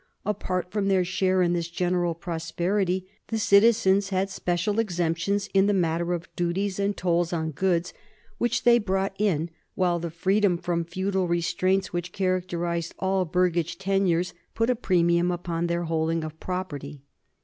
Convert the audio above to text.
Apart from their share in this general prosperity, the citizens had special exemptions in the matter of duties and tolls on goods which they brought in, while the freedom from feudal restraints which characterized all burgage ten ures put a premium upon their holding of property.